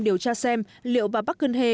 điều tra xem liệu bà park geun hye